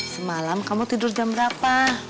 semalam kamu tidur jam berapa